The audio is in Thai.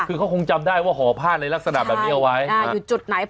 คือเขาคงจำได้ว่าห่อผ้าในลักษณะแบบนี้เอาไว้อยู่จุดไหน